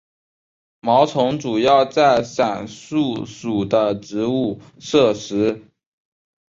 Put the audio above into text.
毛虫主要在伞树属的植物摄食。